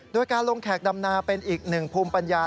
โดยการลงแขกดำนาเป็นอีกหนึ่งภูมิปัญญา